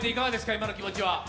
今のお気持ちは。